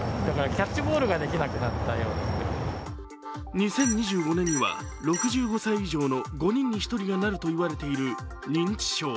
２０２５年には６５歳以上の５人に１人がなるといわれている認知症。